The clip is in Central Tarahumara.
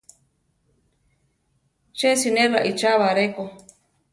Ché siné raichába aréko.